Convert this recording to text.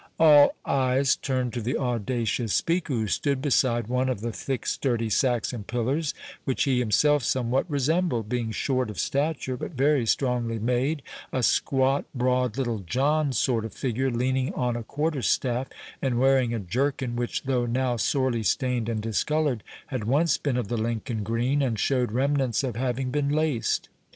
All eyes turned to the audacious speaker, who stood beside one of the thick sturdy Saxon pillars, which he himself somewhat resembled, being short of stature, but very strongly made, a squat broad Little John sort of figure, leaning on a quarterstaff, and wearing a jerkin, which, though now sorely stained and discoloured, had once been of the Lincoln green, and showed remnants of having been laced.